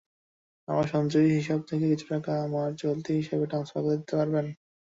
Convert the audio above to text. আমার সঞ্চয়ী হিসাব থেকে কিছু টাকা আমার চলতি হিসাবে ট্রান্সফার করে দিতে পারবেন?